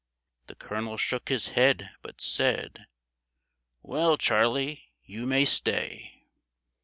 The colonel shook his head, but said, ' Well, Charley, you may stay.'